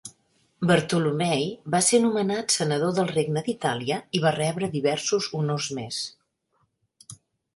Bartolommei va ser nomenat senador del regne d'Itàlia i va rebre diversos honors més.